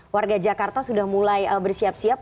warga jakarta sudah mulai bersiap siap